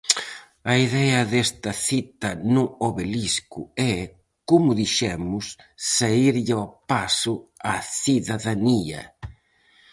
A idea desta cita no Obelisco é, como dixemos, saírlle ao paso á cidadanía.